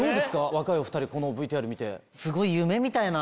若いお２人このＶＴＲ見て。